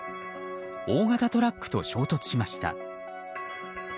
大型トラックと衝突しました。